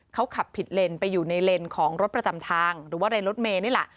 เขาขับผิดเลนไปอยู่ในเลนส์ของรถประจำทางหรือว่าเลนรถเมย์นี่แหละ